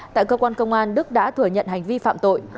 tại cơ quan công an đức đã thừa nhận hành vi phạm tội